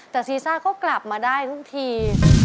แต่ซีซ่าก็กลับมาได้ทุกที